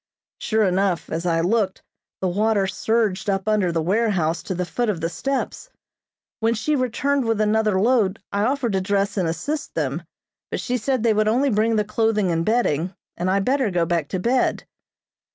Sure enough, as I looked, the water surged up under the warehouse to the foot of the steps. When she returned with another load I offered to dress and assist them, but she said they would only bring the clothing and bedding, and I better go back to bed.